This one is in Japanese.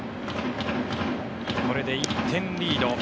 これで１点リード。